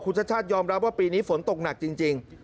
คุณชาติชาติยอมรับว่าปีนี้ฝนตกหนักจริง